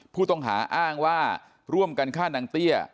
ผู้ต้องหาอ้างว่าร่วมกันฆ่านางเตี้ย